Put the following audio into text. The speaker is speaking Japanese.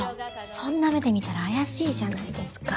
そんな目で見たら怪しいじゃないですか。